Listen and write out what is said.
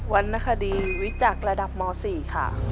รณคดีวิจักษ์ระดับม๔ค่ะ